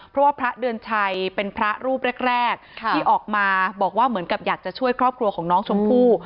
เพราะว่าพระเดือนชัยเป็นพระรูปแรกที่ออกมาบอกว่าเหมือนกับอยากจะช่วยครอบครัวของน้องชมพู่